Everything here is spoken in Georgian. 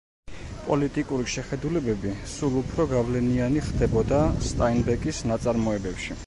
პოლიტიკური შეხედულებები სულ უფრო გავლენიანი ხდებოდა სტაინბეკის ნაწარმოებებში.